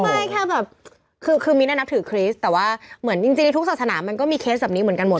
ไม่แค่แบบคือมิ้นนับถือคริสต์แต่ว่าเหมือนจริงในทุกศาสนามันก็มีเคสแบบนี้เหมือนกันหมด